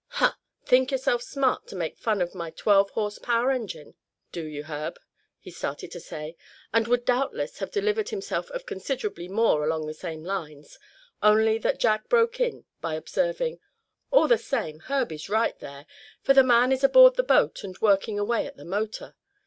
"Huh! think yourself smart to make fun of my twelve horse power engine, don't you, Herb?" he started to say, and would doubtless have delivered himself of considerably more along the same lines, only that Jack broke in by observing: "All the same, Herb is right, there; for the man is aboard the boat and working away at the motor.